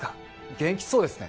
元気そうですね。